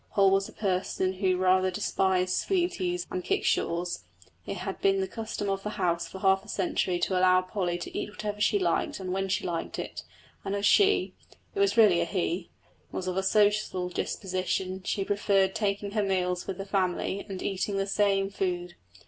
Poll was a person who rather despised sweeties and kickshaws. It had been the custom of the house for half a century to allow Polly to eat what she liked and when she liked, and as she it was really a he was of a social disposition she preferred taking her meals with the family and eating the same food.